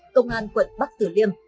công an quận bắc tử liêm